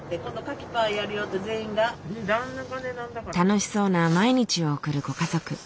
楽しそうな毎日を送るご家族。